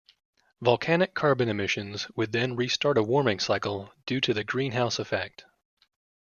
Volcanic carbon emissions would then restart a warming cycle due to the greenhouse effect.